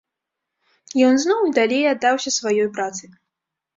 Ён зноў і далей аддаўся сваёй працы.